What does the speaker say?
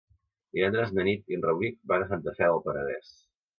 Divendres na Nit i en Rauric van a Santa Fe del Penedès.